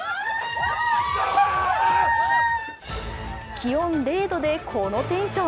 気温０度でこのテンション。